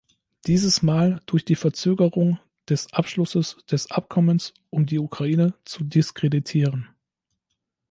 Dieses Mal durch die Verzögerung des Abschlusses des Abkommens, um die Ukraine zu diskreditieren.